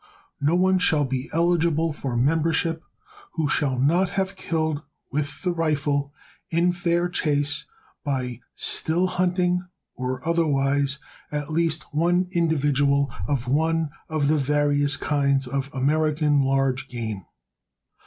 No one shall be eligible for membership who shall not have killed with the rifle in fair chase, by still hunting or otherwise, at least one individual of one of the various kinds of American large game.